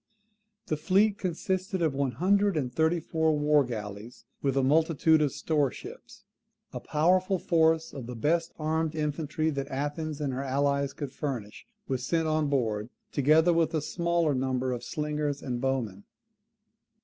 ] The fleet consisted of one hundred and thirty four war galleys, with a multitude of store ships. A powerful force of the best heavy armed infantry that Athens and her allies could furnish was sent on board, together with a smaller number of slingers and bowmen.